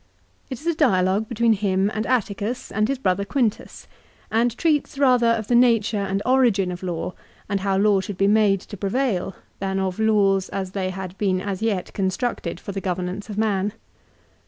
It is a dialogue between him and Atticus, and his brother Quintus, and treats rather of the nature and origin of law, and how law should be made to prevail, than of laws as they had been as yet constructed for the governance of man.